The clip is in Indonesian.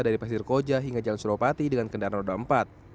dari pasir koja hingga jalan suropati dengan kendaraan roda empat